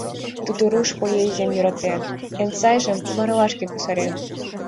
Тудо руш поэзийым йӧратен, эн сайжым марлашке кусарен.